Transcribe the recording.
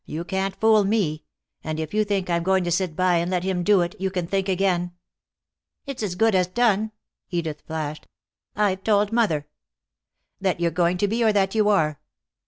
You can't fool me. And if you think I'm going to sit by and let him do it, you can think again." "It's as good as done," Edith flashed. "I've told mother." "That you're going to be, or that you are?"